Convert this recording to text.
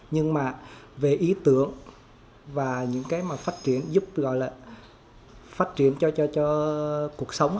nhưng mà về ý tưởng và những cái mà phát triển giúp gọi là phát triển cho cuộc sống